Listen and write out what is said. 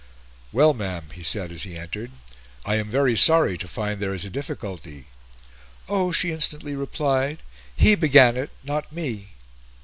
"Well, Ma'am," he said as he entered, "I am very sorry to find there is a difficulty." "Oh!" she instantly replied, "he began it, not me."